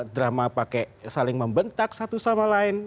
drama pakai saling membentak satu sama lain